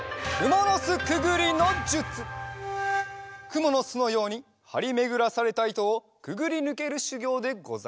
くもの巣のようにはりめぐらされたいとをくぐりぬけるしゅぎょうでござる。